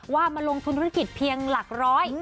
ว่ามาลงทุนธุรกิจเพียงหลักร้อย